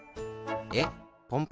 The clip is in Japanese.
えっポンプ